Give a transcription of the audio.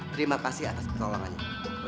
terima kasih atas pertolongannya